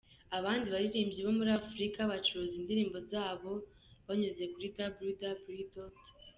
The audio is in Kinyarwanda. Abandi baririmbyi bo muri Afurika bacuruza indirimbo zabo banyuze kuri www.